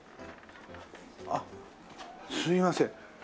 あっすみません。